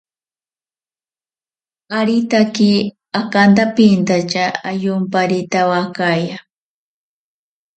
Aritake akantapintyari ayomparitawakai.